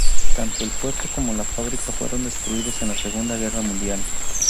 Tanto el puerto como la fábrica fueron destruidos en la Segunda Guerra Mundial.